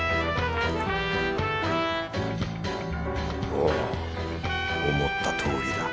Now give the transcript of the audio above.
おお思ったとおりだ。